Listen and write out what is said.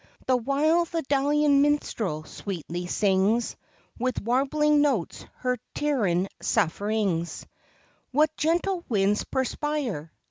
The while the Daulian minstrel sweetly sings With warbling notes her Terean sufferings. What gentle winds perspire!